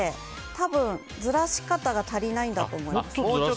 多分ずらし方が足りないんだと思います。